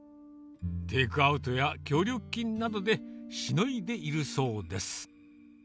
テイクアウトや協力金などでしのいでいるそうです。